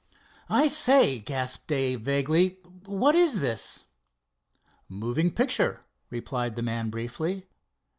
"I say!" gasped Dave vaguely—"what is this?" "Moving picture," replied the man briefly.